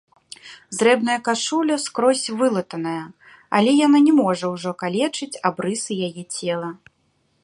Зрэбная кашуля скрозь вылатаная, але яна не можа ўжо калечыць абрысы яе цела.